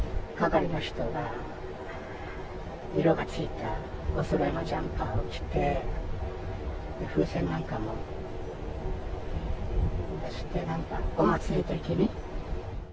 係の人が、色がついたおそろいのジャンパーを着て、風船なんかも出して、なんかお祭り的に。